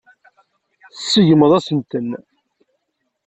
Tseggmeḍ-asent-ten.